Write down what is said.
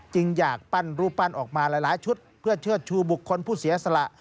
อยากปั้นรูปปั้นออกมาหลายชุดเพื่อเชิดชูบุคคลผู้เสียสละ